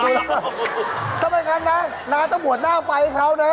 ดูแล้วเพราะไม่งั้นนะน้าต้องหัวหน้าไฟเขานะ